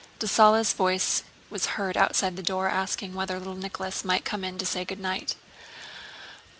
Dessalles' voice was heard outside the door asking whether little Nicholas might come in to say good night.